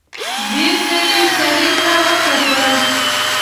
بېرته يې سړي ته وکتل.